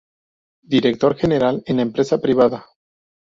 Director gerente en la empresa privada.